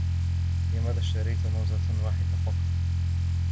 لماذا اشتريت موزة واحدة فقط؟